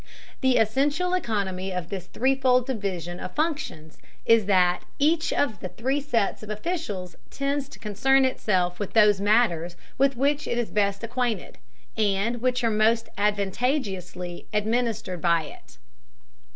The essential economy of this threefold division of functions is that each of the three sets of officials tends to concern itself with those matters with which it is best acquainted, and which are most advantageously administered by it.